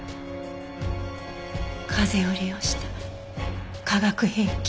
風を利用した科学兵器。